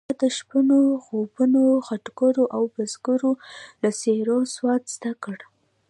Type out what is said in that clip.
ما د شپنو، غوبنو، خټګرو او بزګرو له څېرو سواد زده کړ.